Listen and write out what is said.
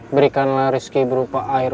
berikanlah rezeki berupa air